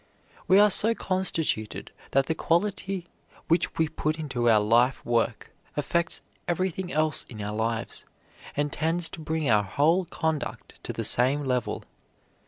We are so constituted that the quality which we put into our life work affects everything else in our lives, and tends to bring our whole conduct to the same level.